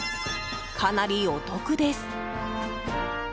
かなりお得です。